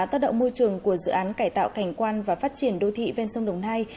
tác động môi trường của dự án cải tạo cảnh quan và phát triển đô thị ven sông đồng nai